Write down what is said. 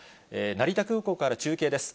成田空港から中継です。